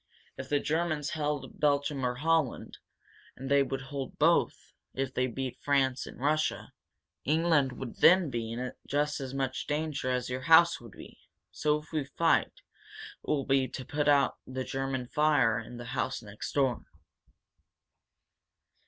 If the Germans held Belgium or Holland and they would hold both, if they beat France and Russia England would then be in just as much danger as your house would be. So if we fight, it will be to put out the German fire in the house next door.